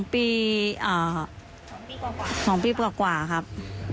๒ปีหรอ๒ปีกว่าครับ